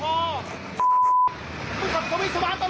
ต้องขับสวิสวะตลอดเลย